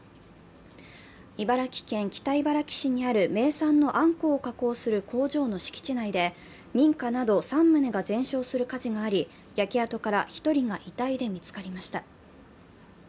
茨城県北茨城市にある名産のあんこうを加工する工場の敷地内で民家など３棟が全焼する火事があり焼け跡から１人が遺体で見つかりました。